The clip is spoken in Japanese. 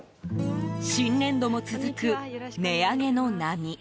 新年度も続く値上げの波。